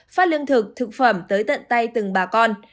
phát lương thực thực phẩm tới tận tay từng bà con